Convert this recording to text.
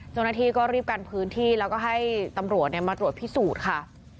เจ้าหน้าที่ก็รีบกันพื้นที่แล้วก็ให้ตำรวจมาตรวจพิสูจน์ค่ะ